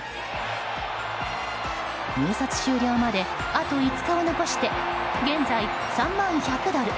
入札終了まで、あと５日を残して現在、３万１００ドル。